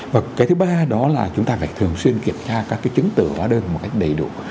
và cái thứ ba đó là chúng ta phải thường xuyên kiểm tra các cái chứng tử hóa đơn một cách đầy đủ